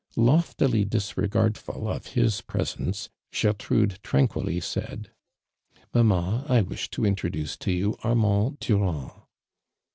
Loftily ilisregardful of hi< presence, CJertrude trun quilly said: "Mamma, I wish to introduce to you Afjnand Durand."